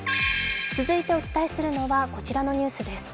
続いてはお伝えするのは、こちらのニュースです。